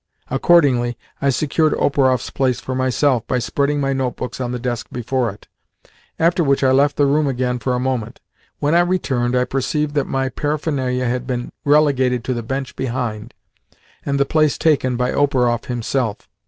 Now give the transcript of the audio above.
Accordingly I secured Operoff's place for myself by spreading my notebooks on the desk before it; after which I left the room again for a moment. When I returned I perceived that my paraphernalia had been relegated to the bench behind, and the place taken by Operoff himself.